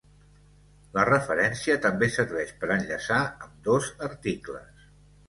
La referència també serveix per enllaçar ambdós articles.